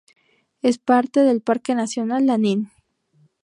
Es parte del Parque Nacional Lanín.